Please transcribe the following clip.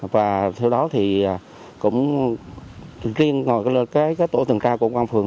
và theo đó thì cũng riêng ngồi cái tổ tuần tra của công an phường